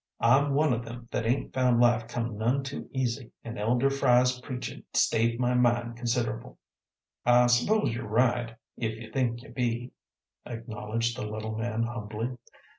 I'm one o' them that ain't found life come none too easy, an' Elder Fry's preachin' stayed my mind consider'ble." "I s'pose you're right, if you think you be," acknowledged the little man humbly.